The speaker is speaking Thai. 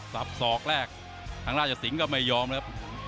สับสอกแรกข้างในราชสิงศ์ก็ไม่ยอมครับ